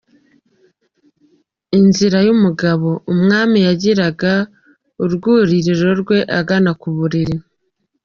Inzira y’umugabo, umwami yagiraga urwuririro rwe agana ku buriri.